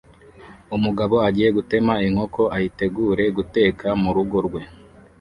Umugabo agiye gutema inkoko ayitegure guteka murugo rwe